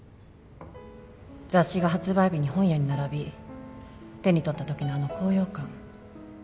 雑誌が発売日に本屋に並び手にとった時のあの高揚感